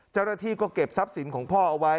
เจ้าหน้าที่ก็เก็บทรัพย์สินของพ่อเอาไว้